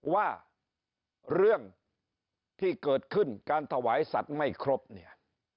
ว่าเรื่องที่เกิดขึ้นการถวายสัตว์ไม่ครบเนี่ย